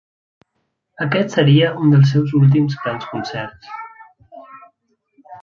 Aquest seria un dels seus últims grans concerts.